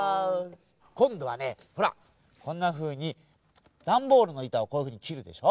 こんどはねほらこんなふうにだんボールのいたをこういうふうにきるでしょ。